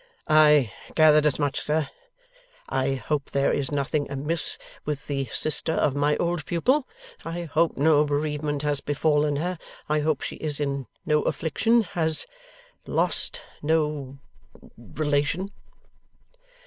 'I gathered as much, sir. I hope there is nothing amiss with the sister of my old pupil? I hope no bereavement has befallen her. I hope she is in no affliction? Has lost no relation?